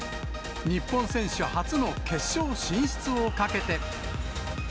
日本選手初の決勝進出をかけて。